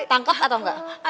tangkep atau ga